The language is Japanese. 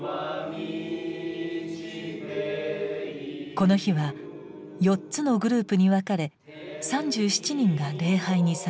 この日は４つのグループに分かれ３７人が礼拝に参加しました。